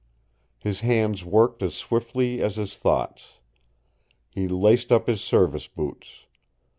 His hands worked as swiftly as his thoughts. He laced up his service boots.